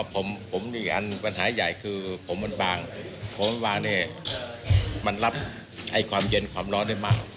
ผมมีอีกอันปัญหาใหญ่คือผมมันบางผมมันวางเนี่ยมันรับความเย็นความร้อนได้มาก